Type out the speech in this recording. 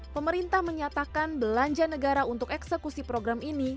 pemerintah menyatakan belanja negara untuk eksekusi program ini